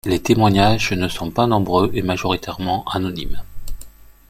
Les témoignages ne sont pas nombreux et majoritairement anonymes.